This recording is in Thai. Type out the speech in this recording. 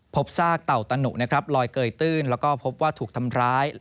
พบซากเต่าตะหนุนะครับลอยเกยตื้นแล้วก็พบว่าถูกทำร้าย